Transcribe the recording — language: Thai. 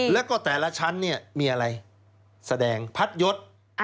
แล้วก็แต่ละชั้นเนี่ยมีอะไรแสดงพัดยศ